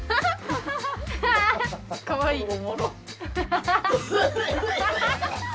・かわいい。